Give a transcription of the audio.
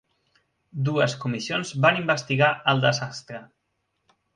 Dues comissions van investigar el desastre.